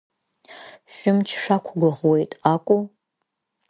Шәымч шәақәгәыӷуеит акәу!